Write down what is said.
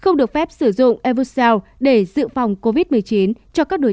không được phép sử dụng evucel để dự phòng covid một mươi chín cho các đối tượng có thể tiêm vaccine